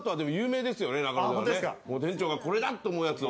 店長が、これだと思うやつを。